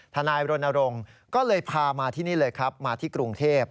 ทนายรณรงค์ก็เลยพามาที่นี่เลยครับมาที่กรุงเทพ